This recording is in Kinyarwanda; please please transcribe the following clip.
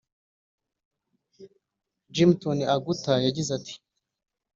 Gimton Aguta yagize ati